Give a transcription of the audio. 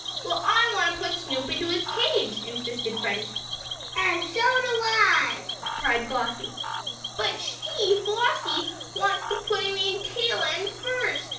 "Well, I want to put Snoop in his cage!" insisted Freddie. "And so do I!" cried Flossie. "But she she Flossie wants to put him in, tail end first!"